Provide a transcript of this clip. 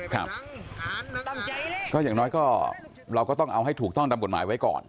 ครับก็อย่างน้อยก็เราก็ต้องเอาให้ถูกต้องตามกฎหมายไว้ก่อน